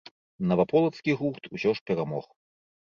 Наваполацкі гурт усё ж перамог.